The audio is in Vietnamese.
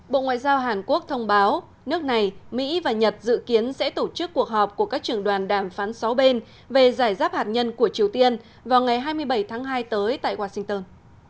bộ ngoại giao hàn quốc thông báo nước này mỹ và nhật dự kiến sẽ tổ chức cuộc họp của các trưởng đoàn đàm phán sáu bên về giải giáp hạt nhân của triều tiên vào ngày hai mươi bảy tháng hai tới tại washington